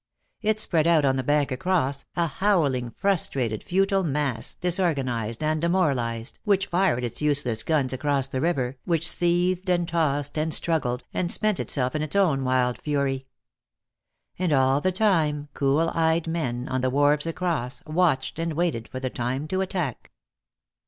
It spread out on the bank across, a howling, frustrated, futile mass, disorganized and demoralized, which fired its useless guns across the river, which seethed and tossed and struggled, and spent itself in its own wild fury. And all the time cool eyed men, on the wharves across, watched and waited for the time to attack.